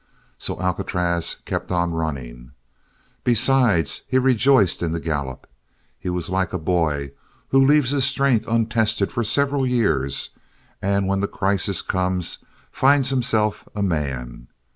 So Alcatraz kept on running. Besides, he rejoiced in the gallop. He was like a boy who leaves his strength untested for several years and when the crisis comes finds himself a man.